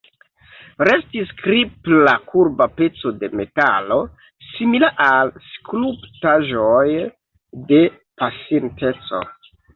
Restis kripla kurba peco de metalo, simila al skulptaĵoj de la pasinteco.